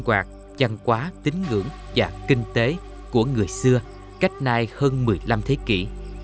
hoạt chăn quá tín ngưỡng và kinh tế của người xưa cách nay hơn một mươi năm thế kỷ